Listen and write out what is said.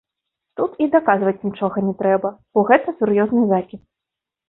Тут і даказваць нічога не трэба, бо гэта сур'ёзны закід.